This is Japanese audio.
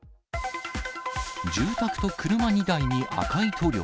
住宅と車２台に赤い塗料。